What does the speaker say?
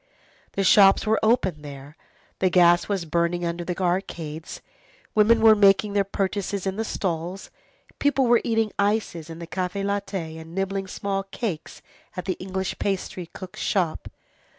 The shops were open there, the gas was burning under the arcades, women were making their purchases in the stalls, people were eating ices in the Café Laiter, and nibbling small cakes at the English pastry cook's shop.